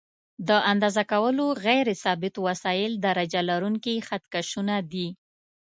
د اندازه کولو غیر ثابت وسایل درجه لرونکي خط کشونه دي.